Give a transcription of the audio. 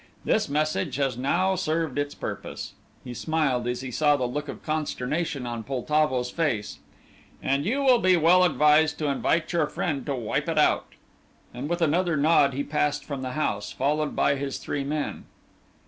This message has now served its purpose," he smiled, as he saw the look of consternation on Poltavo's face, "and you will be well advised to invite your friend to wipe it out"; and with another nod he passed from the house, followed by his three men.